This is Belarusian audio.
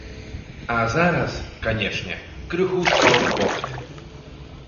А зараз, канечне, крыху спаў попыт.